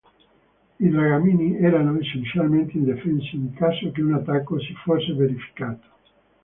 I dragamine erano essenzialmente indifesi in caso che un attacco si fosse verificato.